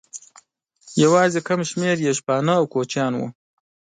یواځې کم شمېر یې شپانه او کوچیان وو.